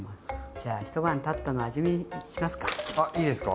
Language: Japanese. じゃあ一晩たったの味見しますか？